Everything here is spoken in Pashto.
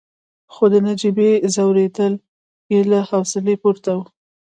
خو د نجيبې ځورېدل يې له حوصلې پورته وو.